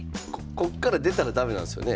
こっから出たらダメなんですよね。